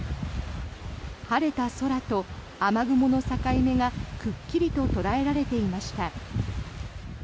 晴れた空と雨雲の境目がくっきりと捉えられていました。